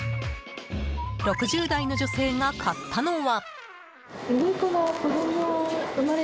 ６０代の女性が買ったのは。